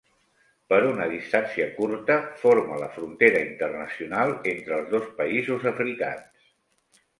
Per una distància curta, forma la frontera internacional entre els dos països africans.